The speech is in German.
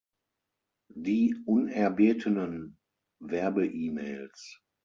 Die unerbetenen Werbe-E-Mails.